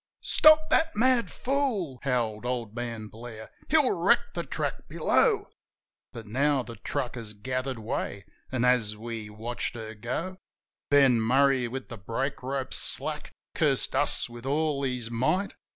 "Stop that mad fool !" howled old man Blair. "He'll wreck the track below!" But now the truck had gathered way, an', as we watched her go, Ben Murray, with the brake rope slack, cursed us with all his might.